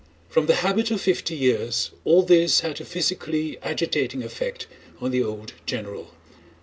From the habit of fifty years all this had a physically agitating effect on the old general.